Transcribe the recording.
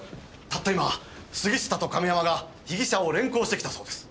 たった今杉下と亀山が被疑者を連行してきたそうです。